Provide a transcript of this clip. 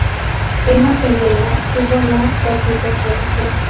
Emma Penella obtuvo la por su interpretación.